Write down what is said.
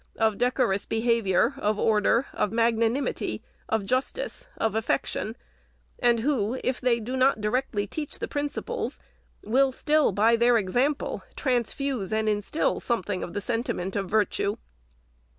425 of decorous behavior, of order, of magnanimity, of jus tice, of affection ; and who, if they do not directly teach the principles, will still, by their example, transfuse and instil something of the sentiment of virtue